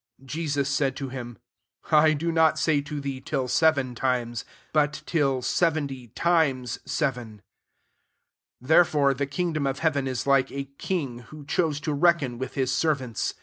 22 Jesus said to him, "I do not say to thee, *Till seven times ;' but * Till seventy times seven.' 23 " Therefore the kingdom of heaven is like a king, who chose to reckon with his ser vants.